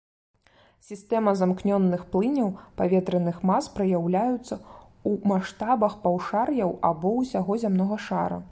Сістэма замкнёных плыняў паветраных мас праяўляюцца ў маштабах паўшар'яў або ўсяго зямнога шара.